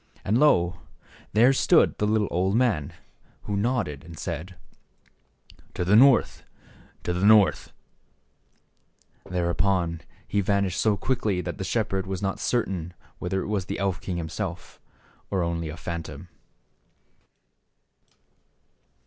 And — lo ! there stood the little old man, who nodded and said, " To the North ! to the North !" Thereupon he van ished so quickly that the shepherd was not cer tain whether it was the elf king himself, or only a phantom.